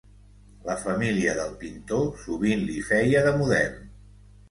La família del pintor sovint li feia de model.